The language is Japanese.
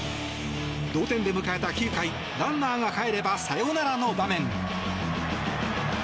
同点で迎えた９回、ランナーがかえればサヨナラの場面。